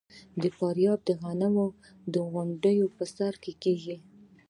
د فاریاب غنم د غونډیو په سر کیږي.